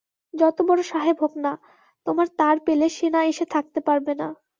যতবড়ো সাহেব হোক-না, তোমার তার পেলে সে না এসে থাকতে পারবে না।